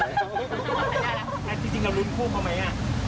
ตอนนี้ไม่เตรียมอะไรเลย